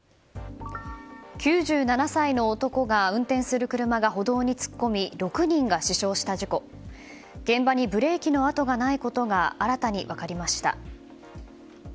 ９７歳の男が運転する車が歩道に突っ込み６人が死傷した事故現場にブレーキの痕がないことが新たに分かりました。